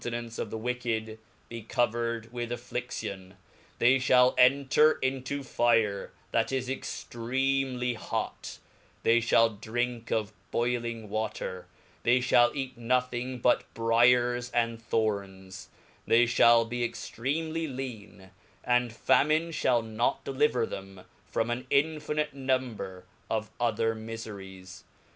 nance of the wicked be covered wi^h af^.idion, they fliall enter into Hre that is extreamly hot j they fhail drink of boyling wa ter, they iliall eat nothing but bryers aud thorns; theylLall be estrcamly lean, and famine fliall not deliver them from an inhnite number of other miferies.